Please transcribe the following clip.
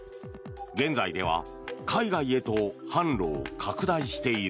現在では海外へと販路を拡大している。